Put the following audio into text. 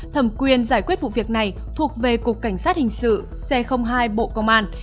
thẩm quyền giải quyết vụ việc này thuộc về cục cảnh sát hình sự c hai bộ công an